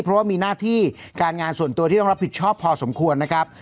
เพราะว่ามีหน้าที่การงานส่วนตัวที่ต้องรับผิดชอบพอสมควรนะครับ